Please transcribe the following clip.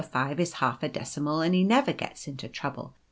5 is half a decimal and he never gets into trouble.